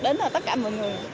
đến tất cả mọi người